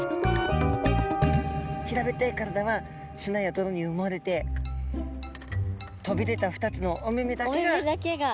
平べったい体は砂や泥にうもれて飛び出た２つのお目々だけが。